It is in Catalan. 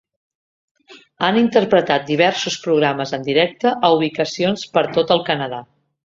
Han interpretat diversos programes en directe a ubicacions per tot el Canadà.